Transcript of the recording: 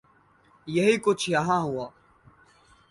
یہی کچھ یہاں ہوا۔